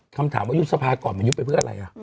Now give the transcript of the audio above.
คำถามว่ายุบสภาก่อนมันยุบไปเพื่ออะไร